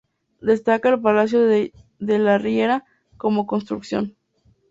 Destaca el 'Palacio de la Riera' como construcción.